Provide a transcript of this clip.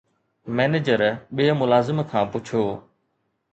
manager ٻئي ملازم کان پڇيو